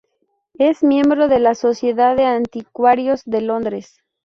Es miembro de la Sociedad de Anticuarios de Londres.